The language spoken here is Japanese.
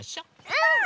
うん！